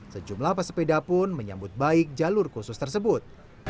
sejumlah pesepeda pun menyambut baik jalur khusus tersebut